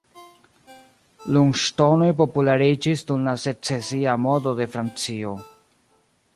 Lunŝtonoj populariĝis dum la Secesia modo de Francio.